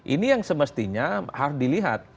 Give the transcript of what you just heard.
ini yang semestinya harus dilihat